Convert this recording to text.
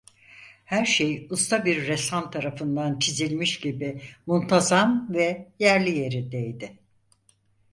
Her şey usta bir ressam tarafından çizilmiş gibi muntazam ve yerli yerindeydi.